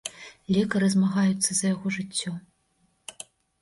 Лекары змагаюцца за яго жыццё.